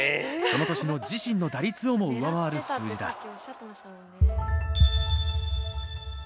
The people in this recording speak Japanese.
その年の自身の打率をも上回る数字だ。